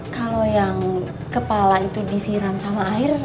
kalau yang kepala itu disiram sama air